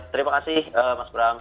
terima kasih mas bram